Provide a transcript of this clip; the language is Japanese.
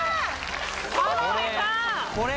・田辺さん！